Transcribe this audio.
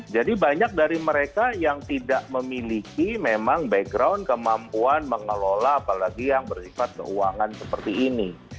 jadi banyak dari mereka yang tidak memiliki memang background kemampuan mengelola apalagi yang berifat keuangan seperti ini